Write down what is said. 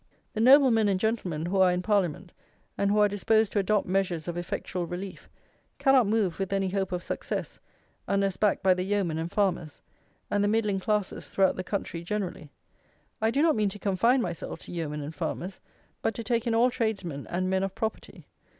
The noblemen and gentlemen who are in Parliament, and who are disposed to adopt measures of effectual relief, cannot move with any hope of success unless backed by the yeomen and farmers, and the middling classes throughout the country generally. I do not mean to confine myself to yeomen and farmers, but to take in all tradesmen and men of property.